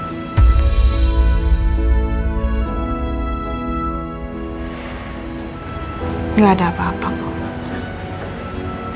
tidak ada apa apa kok